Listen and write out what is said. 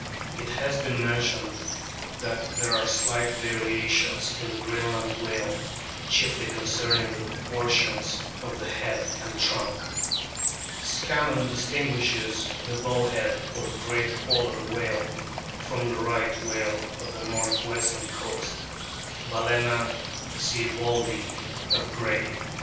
It has been mentioned that there are slight varia tions in the Greenland whale, chiefly concerning the proportions of the head and trunk. Scammon distinguishes the " Bowhead " or Great Polar whale from the Risdit whale of the north o western coast, Balcena sieboldii of Gray.